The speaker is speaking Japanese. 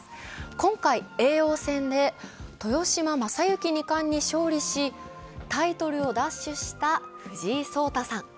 今回、叡王戦で豊島将之二冠に勝利し、タイトルを奪取した藤井聡太さん。